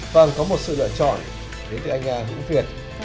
và có một sự lựa chọn đến từ anh hữu việt